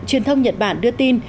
truyền thông nhật bản đưa tin